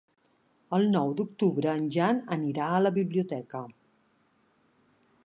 El nou d'octubre en Jan anirà a la biblioteca.